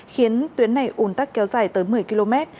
khiến tuyến này ủn tắc kéo dài tới một mươi km